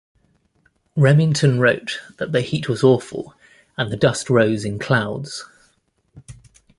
Remington wrote that the heat was awful and the dust rose in clouds.